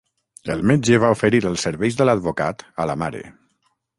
El metge va oferir els serveis de l'advocat a la mare.